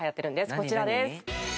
こちらです。